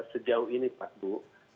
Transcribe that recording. sejauh ini pak bu